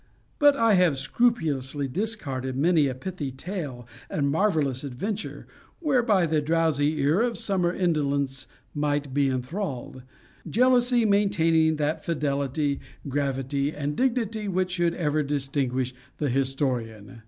But I have scrupulously discarded many a pithy tale and marvelous adventure, whereby the drowsy ear of summer indolence might be enthralled; jealously maintaining that fidelity, gravity, and dignity which should ever distinguish the historian.